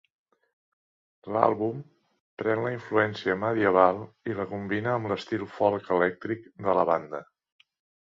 L'àlbum pren la influència medieval i la combina amb l'estil folk elèctric de la banda.